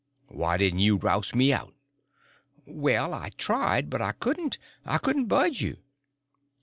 "Why didn't you roust me out?" "Well, I tried to, but I couldn't; I couldn't budge you."